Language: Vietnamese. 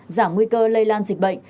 giảm nguy cơ lây lan dịch bệnh